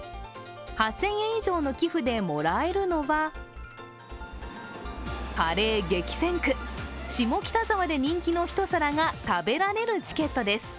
８０００円以上の寄付でもらえるのはカレー激戦区、下北沢で人気の一皿が食べられるチケットです。